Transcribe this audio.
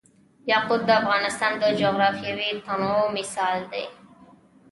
یاقوت د افغانستان د جغرافیوي تنوع مثال دی.